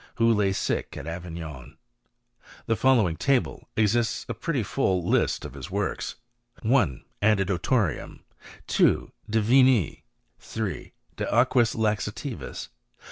who lay sick at Avignon. The fol* lowing table exhibits a pretty full list of his works : 1. Antidotorium. 2. De Vinis. 3. De Aquis Laxativis.